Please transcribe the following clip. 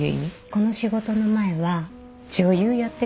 この仕事の前は女優やってたんです私。